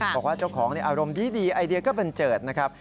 บอกว่าเจ้าของอารมณ์ดีไอเดียก็บันเจิดนะครับ